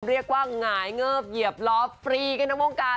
เรียกว่าหงายเงิบเหยียบล้อฟรีในโรงการ